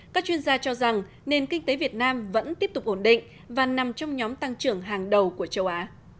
các chuyên gia cho rằng nền kinh tế việt nam vẫn tiếp tục ổn định và nằm trong nhóm tăng trưởng hàng đầu của châu á